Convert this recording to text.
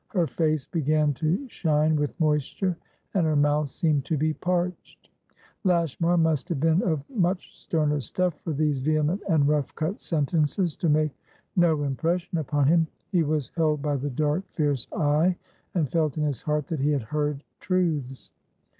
Her face began to shine with moisture, and her mouth seemed to be parched. Lashmar must have been of much sterner stuff for these vehement and rough cut sentences to make no impression upon him; he was held by the dark, fierce eye, and felt in his heart that he had heard truths.